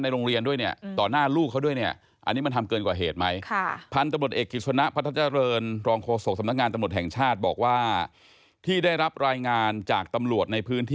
ในโรงเรียนด้วยต่อหน้าลูกเขาด้วย